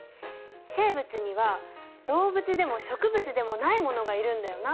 生物には動物でも植物でもないものがいるんだよな。